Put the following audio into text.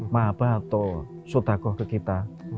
mahabah atau sudhagoh ke kita